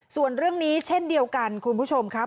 ส่วนเรื่องนี้เช่นเดียวกันคุณผู้ชมครับ